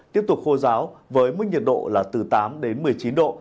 tiếp tục khô giáo với mức nhiệt độ là từ tám đến một mươi chín độ